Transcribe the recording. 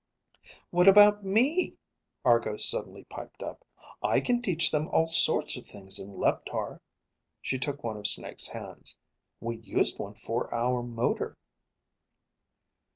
"What about me?" Argo suddenly piped up. "I can teach them all sorts of things in Leptar." She took one of Snake's hands. "We used one for our motor."